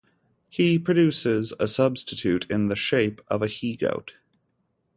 He produces a substitute in the shape of a he-goat.